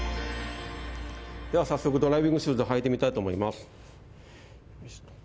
では早速ドライビングシューズを履いてみたいと思います。